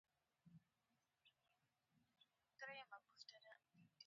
که وجدان مړ شي، انسانیت له منځه ځي.